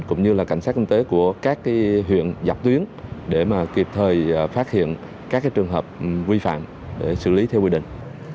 cũng như là cảnh sát kinh tế của các huyện dọc tuyến để kịp thời phát hiện các trường hợp vi phạm để xử lý theo quy định